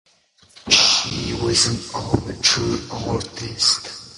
She was an amateur artist.